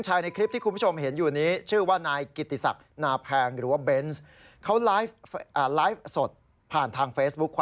มาแล้วครับมาแล้ว